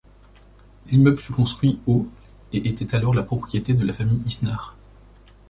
L'immeuble fut construit au et était alors la propriété de la famille Isnard.